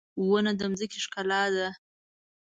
• ونه د ځمکې ښکلا ده.